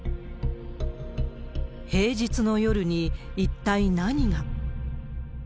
平日の夜に一体何が。